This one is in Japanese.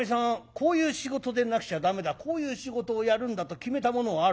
こういう仕事でなくちゃ駄目だこういう仕事をやるんだと決めたものはあるのかい？」。